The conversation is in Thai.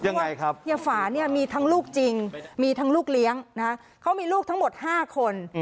เพราะเฮียฝานี่มีทั้งลูกจริงมีทั้งลูกเลี้ยงเขามีลูกทั้งหมด๕คน